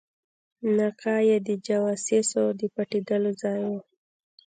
خانقاه یې د جواسیسو د پټېدلو ځای وو.